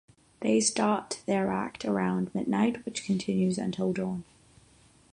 They start their act around midnight which continues until dawn.